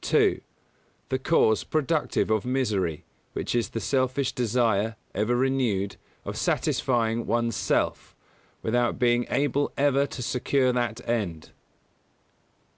2. The cause productive of misery, which is the selfish desire, ever renewed, of satisfying one's self, without being able ever to secure that end.